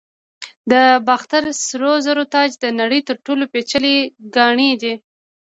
د باختر سرو زرو تاج د نړۍ تر ټولو پیچلي ګاڼې دي